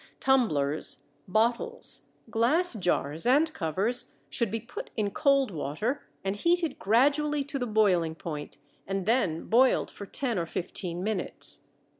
Tumblers, bottles, glass jars, and covers should be put in cold water and heated gradually to the boiling point, and then boiled for ten or fifteen minutes.